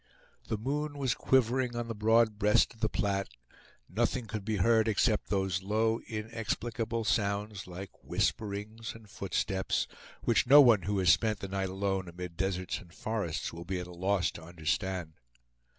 The moon was quivering on the broad breast of the Platte; nothing could be heard except those low inexplicable sounds, like whisperings and footsteps, which no one who has spent the night alone amid deserts and forests will be at a loss to understand.